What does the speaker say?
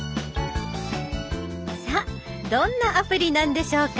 さあどんなアプリなんでしょうか？